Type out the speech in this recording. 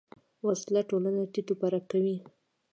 وسله ټولنه تیت و پرک کوي